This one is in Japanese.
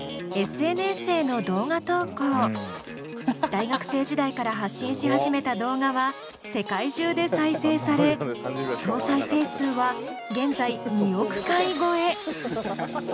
大学生時代から発信し始めた動画は世界中で再生され総再生数は現在２億回超え！